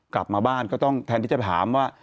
กลับมาบ้านก็ต้องแทนที่จะถามว่า